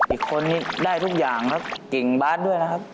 อีกคนนี้ได้ทุกอย่างครับเก่งบาทด้วยนะครับ